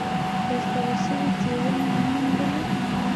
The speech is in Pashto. ترسره شوې څېړنې وموندلې،